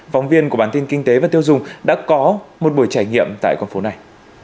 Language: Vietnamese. phóng viên của bản tin kinh tế và tiêu dùng đã có một buổi trải nghiệm tại con phố này